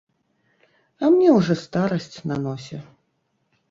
А мне ўжо старасць на носе.